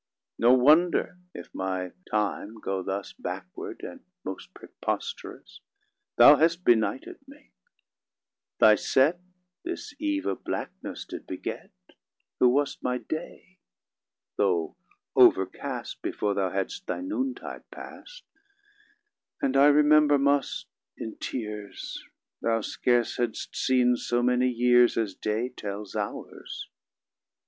20 Nor wonder, if my time go thus Backward and most preposterous; Thou hast benighted me; thy set This eve of blackness did beget, Who wast my day (though overcast, Before thou hadst thy noon tide past), And I remember must in tears, Thou scarce hadst seen so many years As day tells hours.